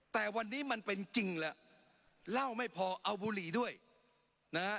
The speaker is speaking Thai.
แต่วันนี้มันเป็นจริงแล้วเหล้าไม่พอเอาบุหรี่ด้วยนะฮะ